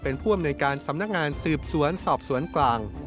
เป็นผู้อำนวยการสำนักงานสืบสวนสอบสวนกลาง